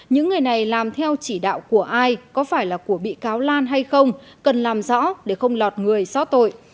những người này làm theo chỉ đạo của ai có phải là của bị cáo lan hay không cần làm rõ để không lọt người xót tội